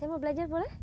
saya mau belajar boleh